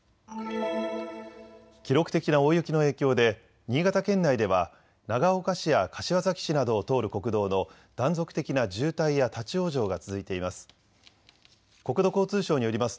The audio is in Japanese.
記録的な大雪の影響で新潟県内では長岡市や柏崎市などを通る国道の断続的な渋滞や立往生が続いています。